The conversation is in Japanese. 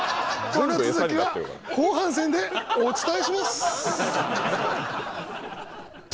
この続きは後半戦でお伝えします！